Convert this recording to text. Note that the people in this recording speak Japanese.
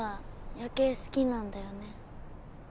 夜景好きなんだよね。